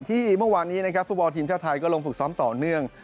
เมื่อวานนี้นะครับฟุตบอลทีมชาติไทยก็ลงฝึกซ้อมต่อเนื่อง